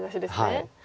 はい。